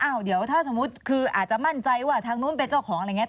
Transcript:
เดี๋ยวถ้าสมมุติคืออาจจะมั่นใจว่าทางนู้นเป็นเจ้าของอะไรอย่างนี้